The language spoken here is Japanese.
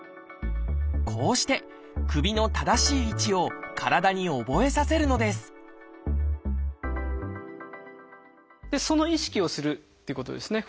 こうして首の正しい位置を体に覚えさせるのですその意識をするっていうことですね。